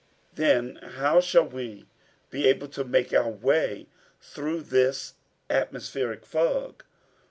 "Then how shall we be able to make our way through this atmospheric fog?"